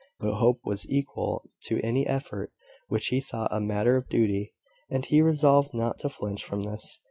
But Hope was equal to any effort which he thought a matter of duty; and he resolved not to flinch from this.